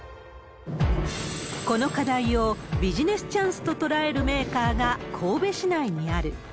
この課題をビジネスチャンスと捉えるメーカーが神戸市内にある。